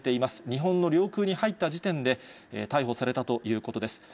日本の領空に入った時点で逮捕されたということです。